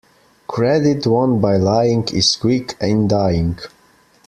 Credit won by lying is quick in dying.